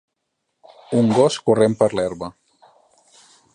Un gos corrent per l'herba.